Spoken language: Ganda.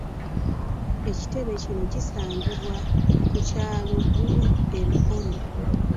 Ekitebe kino kisangibwa ku kyalo Ggulu e Mukono.